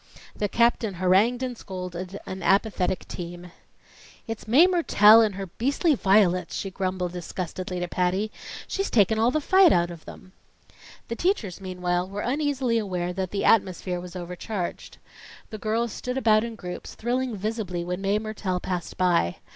The captain harangued and scolded an apathetic team. "It's Mae Mertelle and her beastly violets!" she disgustedly grumbled to Patty. "She's taken all the fight out of them." The teachers, meanwhile, were uneasily aware that the atmosphere was overcharged. The girls stood about in groups, thrilling visibly when Mae Mertelle passed by.